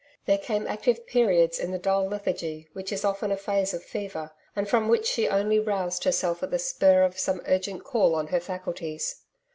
There came active periods in the dull lethargy which is often a phase of fever, and from which she only roused herself at the spur of some urgent call on her faculties.